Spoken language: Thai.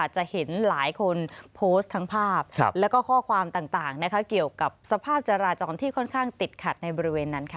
จะเห็นหลายคนโพสต์ทั้งภาพแล้วก็ข้อความต่างเกี่ยวกับสภาพจราจรที่ค่อนข้างติดขัดในบริเวณนั้นค่ะ